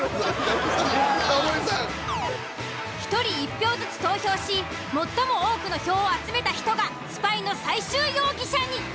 １人１票ずつ投票し最も多くの票を集めた人がスパイの最終容疑者に。